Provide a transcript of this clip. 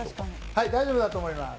はい、大丈夫だと思います。